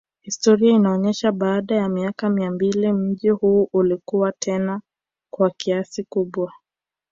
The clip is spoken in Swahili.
Historia inaonesha baada ya miaka mia mbili mji huu ulikuwa tena kwa kasi kubwa